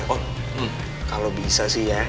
oh kalau bisa sih ya